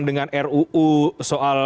dengan ruu soal